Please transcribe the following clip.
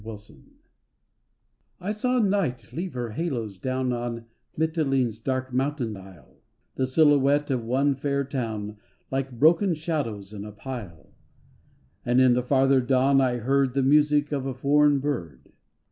THE LURE I SAW night leave her halos down On Mitylene's dark mountain isle, The silhouette of one fair town Like broken shadows in a pile. And in the farther dawn I heard The music of a foreign bird.